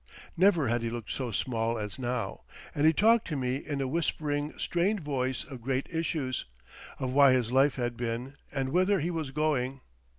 Never had he looked so small as now. And he talked to me in a whispering, strained voice of great issues, of why his life had been, and whither he was going.